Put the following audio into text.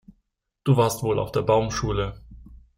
Du warst wohl auf der Baumschule.